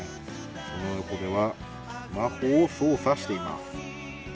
その横ではスマホを操作しています。